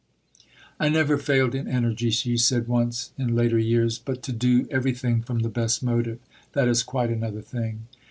"I never failed in energy," she said once in later years; "but to do everything from the best motive that is quite another thing."